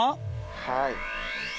はい。